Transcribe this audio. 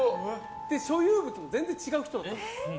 所有物も全然違う人なんです。